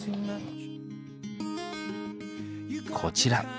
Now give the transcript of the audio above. こちら。